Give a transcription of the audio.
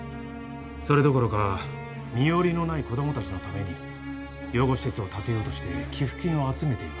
それどころか身寄りのない子供たちのために養護施設を建てようとして寄付金を集めています。